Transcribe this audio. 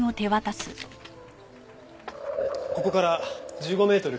ここから１５メートル